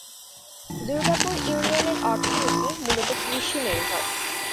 দুর্গাপুর ইউনিয়নের অর্থনীতি মূলত কৃষি নির্ভর।